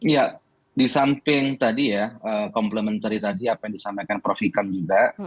ya disamping tadi ya komplementer tadi apa yang disampaikan prof ikam juga